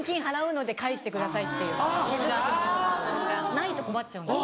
ないと困っちゃうんで。